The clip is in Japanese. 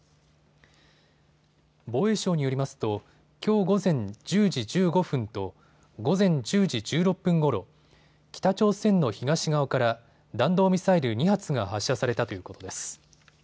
防衛省によりますときょう午前１０時１５分と午前１０時１６分ごろ、北朝鮮の東側から弾道ミサイル２発が発射されたということです。